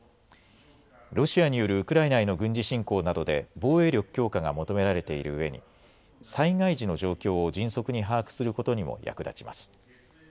ロシアによるウクライナへの軍事侵攻などで防衛力強化が求められているうえに災害時の状況を迅速に把握することにも役立ちます。